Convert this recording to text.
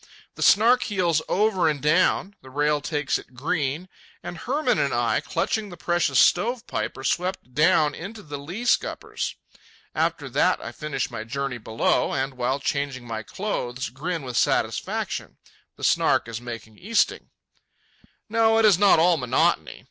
The Snark heels over and down, the rail takes it green, and Hermann and I, clutching the precious stove pipe, are swept down into the lee scuppers. After that I finish my journey below, and while changing my clothes grin with satisfaction—the Snark is making easting. No, it is not all monotony.